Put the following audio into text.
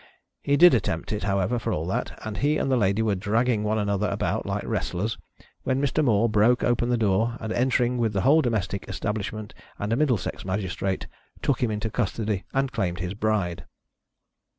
He did attempt it, however, for all that, and he and the Ladye were dragging one another about like wrestlers, when Mr. More broke open the door, and, entering with the whole domestic es tablishment and a Middlesex magistrate, took him into custody and claimed his bride.